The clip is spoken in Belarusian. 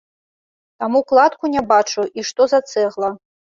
Таму кладку не бачыў і што за цэгла.